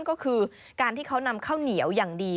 ก็คือการที่เขานำข้าวเหนียวอย่างดี